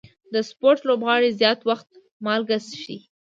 د سپورټ لوبغاړي زیات وخت مالګه څښي.